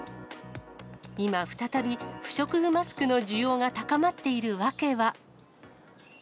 今、再び不織布マスクの需要が高まっている訳は。